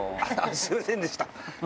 すみませんでした。